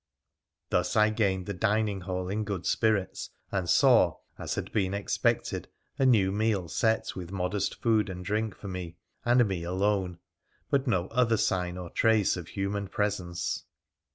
Thus, I gained the dining hall in good spirits, and saw, as had been expected, a new meal set with modest food and drink for me, and me alone, but no other sign or trace of human presence.